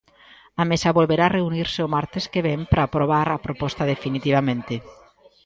A mesa volverá reunirse o martes que vén para aprobar a proposta definitivamente.